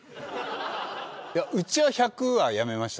いやうちは１００はやめました。